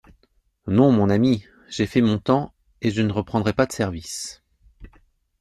Non, mon ami ; j'ai fait mon temps et je ne reprendrai pas de service.